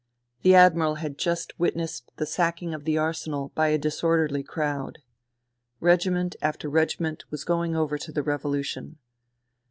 The Admiral had just witnessed the sacking of the Arsenal by a disorderly crowd. Regiment after regiment was going over to the revolution.